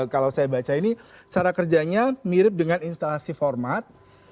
kalau saya baca ini cara kerjanya mirip dengan instalasi format